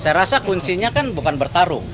saya rasa kuncinya kan bukan bertarung